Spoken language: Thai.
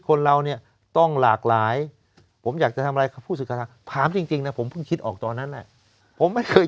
คนเราเนี่ยต้องหลากหลายผมอยากจะทำอะไรพูดจริงนะผมเพิ่งคิดออกตอนนั้นแหละผมไม่เคย